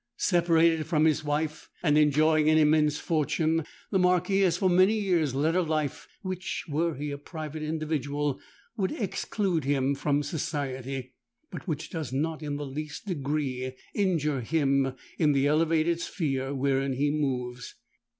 Separated from his wife, and enjoying an immense fortune, the Marquis has for many years led a life which, were he a private individual, would exclude him from society, but which does not in the least degree injure him in the elevated sphere wherein he moves.